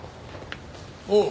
おう。